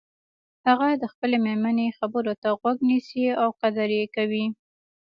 هغه د خپلې مېرمنې خبرو ته غوږ نیسي او قدر یی کوي